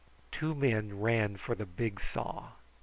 Two men ran for the big saw.